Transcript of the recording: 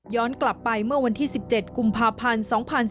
กลับไปเมื่อวันที่๑๗กุมภาพันธ์๒๔